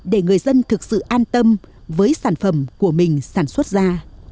để người dân thực sự an tâm với sản phẩm của mình sản xuất ra